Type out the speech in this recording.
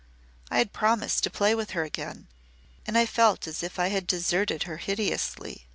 I had promised to play with her again and I felt as if I had deserted her hideously.